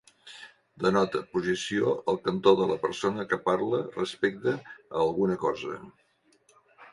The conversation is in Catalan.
Denota posició al cantó de la persona que parla respecte a alguna cosa.